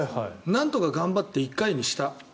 なんとか頑張って１回にした。